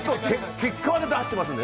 結果は出してますので。